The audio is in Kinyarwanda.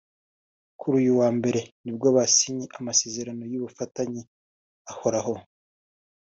Kuri uyu wa Mbere nibwo basinye amasezerano y’ubufatanye ahoraho